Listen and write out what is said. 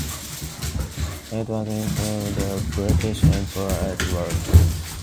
It was entitled "The British Empire At War".